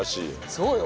そうよ